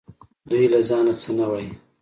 دوی له ځانه څه نه وايي